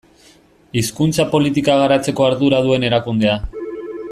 Hizkuntza politika garatzeko ardura duen erakundea.